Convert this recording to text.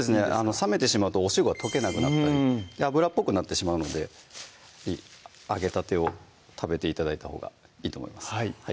冷めてしまうとお塩が溶けなくなったり油っぽくなってしまうので揚げたてを食べて頂いたほうがいいと思います